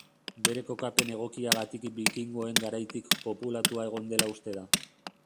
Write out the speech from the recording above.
Bere kokapen egokiagatik bikingoen garaitik populatua egon dela uste da.